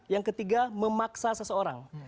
yang ketiga memaksa seseorang